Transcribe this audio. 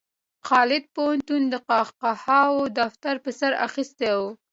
د خالد پښتون قهقهاوو دفتر په سر اخیستی و.